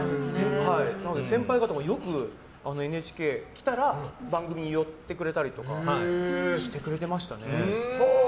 なので先輩方もよくＮＨＫ来たら番組に寄ってくれたりとかしてくれてましたね。